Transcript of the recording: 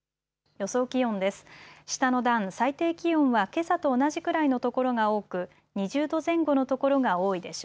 予想気温です。